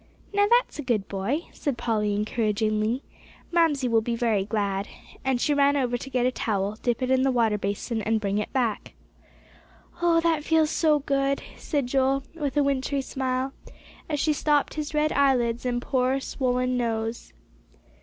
"Now that's a good boy," said Polly encouragingly. "Mamsie will be very glad." And she ran over to get a towel, dip it in the water basin, and bring it back. "Oh, that feels so good!" said Joel, with a wintry smile, as she sopped his red eyelids and poor, swollen nose.